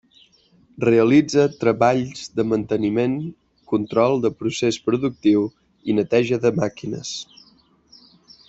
Realitza treballs de manteniment, control de procés productiu i neteja de màquines.